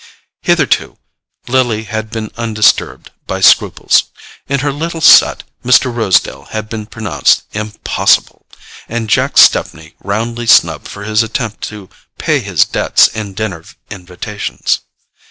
Hitherto Lily had been undisturbed by scruples. In her little set Mr. Rosedale had been pronounced "impossible," and Jack Stepney roundly snubbed for his attempt to pay his debts in dinner invitations.